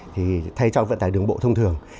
thì thay cho vận tải đường bộ thông thường